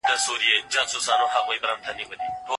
ولي کورنۍ دا لاره خوښوي؟